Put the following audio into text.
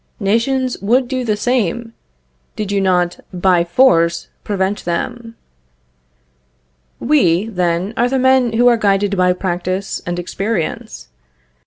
Nations would do the same, did you not by force prevent them. We, then, are the men who are guided by practice and experience.